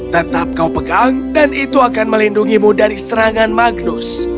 tetap kau pegang dan itu akan melindungimu dari serangan magnus